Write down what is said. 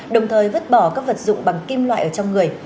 đồng thời vứt bỏ các vật dụng bằng kim loại ở trong người